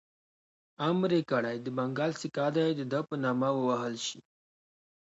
امر یې کړی د بنګال سکه دي په ده نامه ووهل شي.